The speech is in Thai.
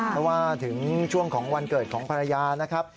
เพราะว่าถึงช่วงของวันเกิดของภรรยานะครับ